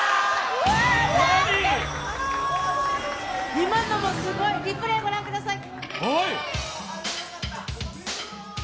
今のもすごい、リプレーご覧ください。